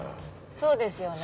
そうですよね。